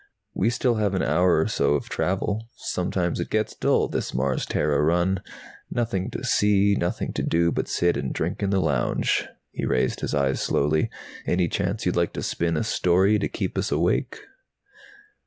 "We still have an hour or so of travel. Sometimes it gets dull, this Mars Terra run. Nothing to see, nothing to do but sit and drink in the lounge." He raised his eyes slowly. "Any chance you'd like to spin a story to keep us awake?"